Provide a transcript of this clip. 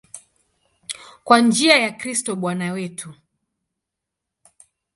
Kwa njia ya Kristo Bwana wetu.